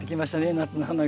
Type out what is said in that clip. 夏の花が。